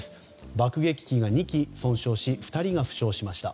爆撃機が２機、損傷し２人が負傷しました。